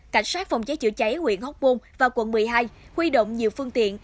cảnh sát phòng cháy chữa cháy huyện hóc môn và quận một mươi hai huy động nhiều phương tiện